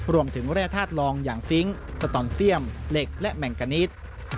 แร่ธาตุลองอย่างซิงค์สตอนเซียมเหล็กและแมงกานิด